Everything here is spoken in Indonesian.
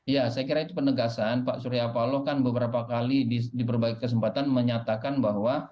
ya saya kira itu penegasan pak surya paloh kan beberapa kali di berbagai kesempatan menyatakan bahwa